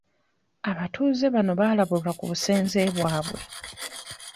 Abatuuze bano baalabulwa ku busenze bwabwe.